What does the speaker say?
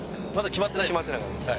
決まってなかったです。